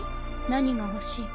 何が欲しい？